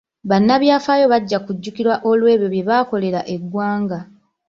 Bannabyafaayo bajja kujjukirwa olw'ebyo bye baakolera eggwanga.